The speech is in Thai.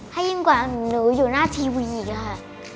ให้ยิ่งกว่าหนูอยู่หน้าทีวีอีกค่ะ